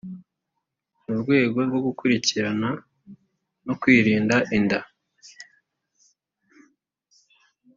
mu rwego rwo gukurikirana no kwirinda inda